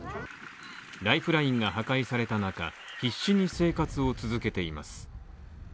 ライフラインが破壊された中、必死に生活を続けています。